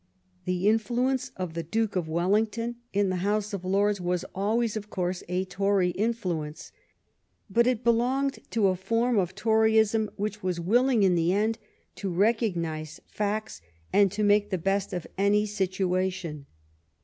The influence of the Duke of Wellington in the House of Lords was always, of course, a Tory influence; but it belonged to a form of Toryism which was willing in the end to recognize facts and to make the best of any situation.